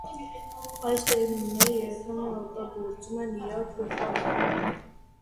Այս տերմինները երբեմն օգտագործում են իրար փոխարեն։